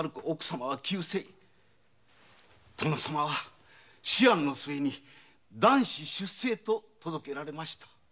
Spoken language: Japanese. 殿様は思案の末に“男子出生”と届けられました。